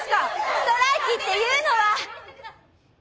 ストライキっていうのは！